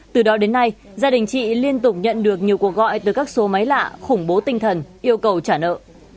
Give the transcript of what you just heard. từ đó đến nay gia đình chị liên tục nhận được nhiều cuộc gọi từ các số máy lạ khủng bố tinh thần yêu cầu trả nợ